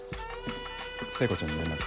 聖子ちゃんに連絡。